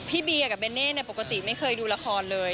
เบียกับเน่ปกติไม่เคยดูละครเลย